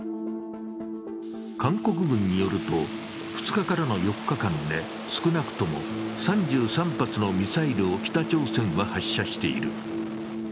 韓国軍によると、２日からの４日間で少なくとも３３発のミサイルを北朝鮮は発射している。